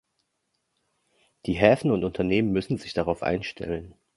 Die Häfen und die Unternehmen müssen sich darauf einstellen.